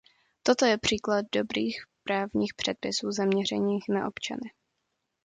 Toto je příklad dobrých právních předpisů, zaměřených na občany.